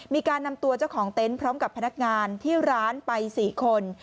มีการนำตัวเจ้าของเต็นต์พร้อมกับพนักงานที่ร้านไป๔คน